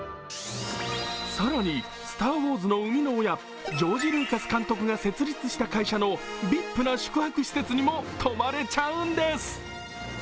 更に「スター・ウォーズ」の生みの親、ジョージ・ルーカス監督が設立した会社のＶＩＰな宿泊施設にも泊まれちゃうんです。